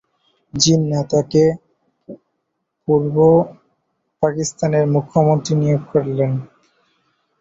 জিন্নাহ তাকে পূর্ব পাকিস্তানের মুখ্যমন্ত্রী নিয়োগ করেন।